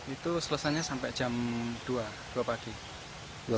itu selesainya sampai jam dua dua pagi